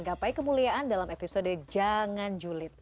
gapai kemuliaan dalam episode jangan julid